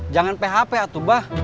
jangan php atuh bah